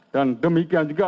dan demikian juga